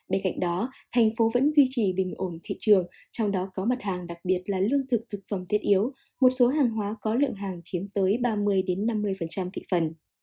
bên cạnh đó thành phố vẫn duy trì bình ổn thị trường trong đó có mặt hàng đặc biệt là lương thực thực phẩm thiết yếu một số hàng hóa có lượng hàng chiếm tới ba mươi năm mươi thị phần